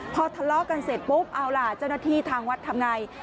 พอทะเลาะกันเสร็จปุ๊บเอาล่ะเจ้าหน้าที่ทางวัดทำไง